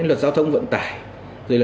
luật giao thông vận tải